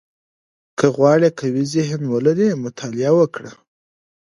• که غواړې قوي ذهن ولرې، مطالعه وکړه.